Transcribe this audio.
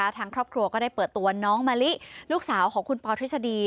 ทางครอบครัวก็ได้เปิดตัวน้องมะลิลูกสาวของคุณปอทฤษฎี